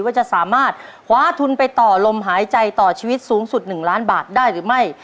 ว่าจะสามารถคว้าทุนไปต่อลมหายใจต่อชีวิตสูงสุด๑ล้านบาทได้หรือไม่